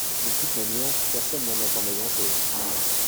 De toute manière, personne n’en attendait grand-chose.